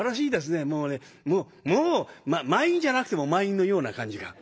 もうねもうもう満員じゃなくても満員のような感じが。